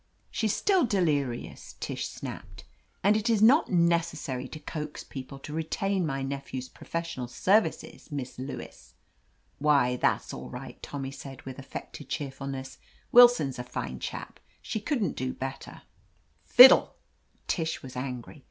"She's still delirious," Tish snapped. "And it is not necessary to coax people to retain my nephew's professional services. Miss Lewis." "Why, that's all right," Tommy said with affected cheerfulness. "Willson's a fine chap — she couldn't do better." "Fiddle I" Tish was angry.